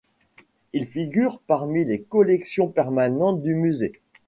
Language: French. Il figure parmi les collections permanentes du musée.